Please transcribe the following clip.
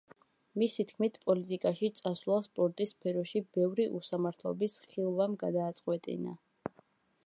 მისი თქმით, პოლიტიკაში წასვლა სპორტის სფეროში ბევრი უსამართლობის ხილვამ გადააწყვეტინა.